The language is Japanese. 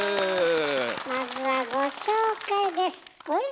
まずはご紹介です。